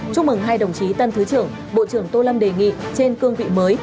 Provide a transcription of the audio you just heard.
chúc mừng hai đồng chí tân thứ trưởng bộ trưởng tô lâm đề nghị trên cương vị mới